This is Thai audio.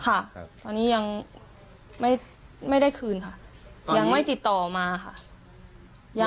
ค่ะตอนนี้ยังไม่ได้คืนค่ะยังไม่ติดต่อมาค่ะยัง